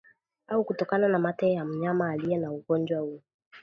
au kutokana na mate ya mnyama aliye na ugonjwa huu